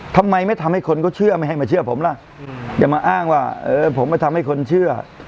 ทำไมไม่ทำให้คนเขาเชื่อไม่ให้มาเชื่อผมล่ะอย่ามาอ้างว่าเออผมมาทำให้คนเชื่อ